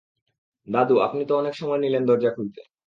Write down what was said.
দাদু, আপনি তো অনেক সময় নিলেন দরজা খুলতে।